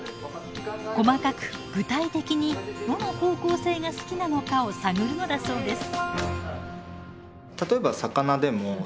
細かく具体的にどの方向性が好きなのかを探るのだそうです。